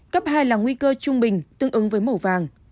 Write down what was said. cấp hai là nguy cơ trung bình tương ứng với màu vàng